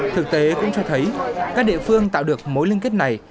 thực tế cũng cho thấy các địa phương tạo được mối liên kết này